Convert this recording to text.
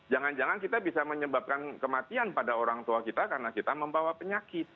jangan jangan kita bisa menyebabkan kematian pada orang tua kita karena kita membawa penyakit